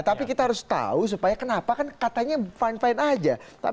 tapi kita harus tahu supaya kenapa kan katanya fine fine aja